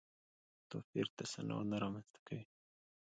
توپیر تصنع نه رامنځته کوي.